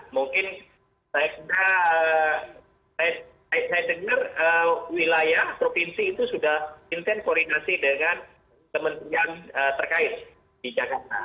mungkin saya dengar wilayah provinsi itu sudah intens koregasi dengan kementerian terkait di jakarta